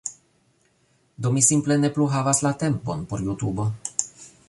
Do mi simple ne plu havas la tempon por Jutubo